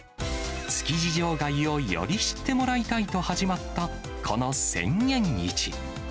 築地場外をより知ってもらいたいと始まったこの千円市。